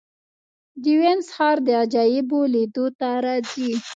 د وینز ښار د عجایبو لیدو ته راځي.